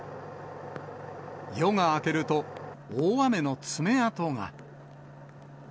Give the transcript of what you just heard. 夜が明けると、大雨の爪痕が。